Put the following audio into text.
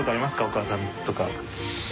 お母さんとか。